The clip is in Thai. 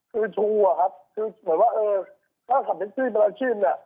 คือทูอะครับคือหมายว่าเออถ้าขับทักซี่ไปรักษีเนี่ย